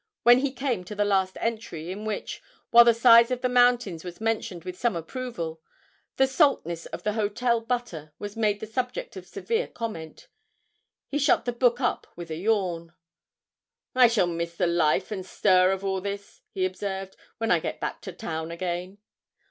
When he came to the last entry, in which, while the size of the mountains was mentioned with some approval, the saltness of the hotel butter was made the subject of severe comment, he shut the book up with a yawn. 'I shall miss the life and stir of all this,' he observed, 'when I get back to town again.'